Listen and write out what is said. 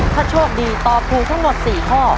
ถ้าโชคดีตอบถูกทั้งหมด๔ข้อ